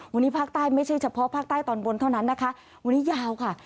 วันนี้ภาคใต้ไม่ใช่เฉพาะภาคใต้ตอนบนเท่านั้นนะคะวันนี้ยาวค่ะ